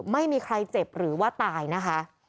ไม่มีใครเจ็บหรือว่าตายนะคะ